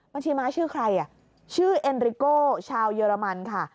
บัญชีม้าชื่อใครชื่อเอ็นริโก้ชาวเยอรมันค่ะ